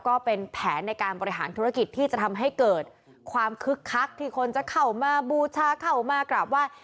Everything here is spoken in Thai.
ก็เป็นแผนในการบริหารธุรกิจที่จะทำให้เกิดความคึกคักที่คนจะเข้ามาบูชาเข้ามากราบไหว้